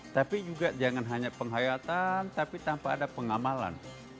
tapi juga jangan hanya penghayatan tapi tanpa ada pengamalan